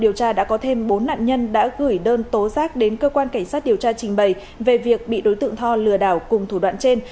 điều tra đã có thêm bốn nạn nhân đã gửi đơn tố giác đến cơ quan cảnh sát điều tra trình bày về việc bị đối tượng tho lừa đảo cùng thủ đoạn trên